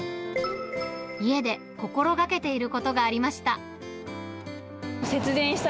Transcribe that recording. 家で心がけていることがありました。